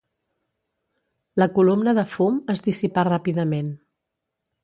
La columna de fum es dissipà ràpidament.